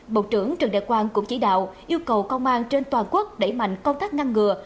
bộ trưởng trần đại quang cũng chỉ đạo yêu cầu công an trên toàn quốc đẩy mạnh công tác ngăn ngừa